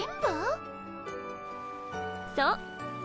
そう。